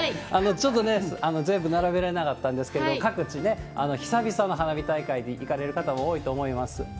ちょっと全部並べられなかったんですけど、各地ね、久々の花火大会に行かれる方も多いと思います。